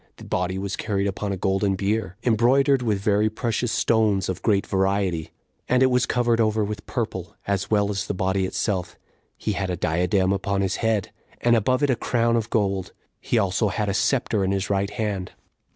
The body was carried upon a golden bier, embroidered with very precious stones of great variety, and it was covered over with purple, as well as the body itself; he had a diadem upon his head, and above it a crown of gold: he also had a scepter in his right hand.